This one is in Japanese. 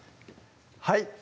はい